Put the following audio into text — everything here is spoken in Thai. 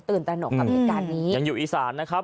ตื่นตระหนกกับวิการนี้